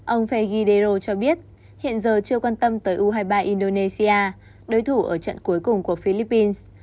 ông feigidero cho biết hiện giờ chưa quan tâm tới u hai mươi ba indonesia đối thủ ở trận cuối cùng của philippines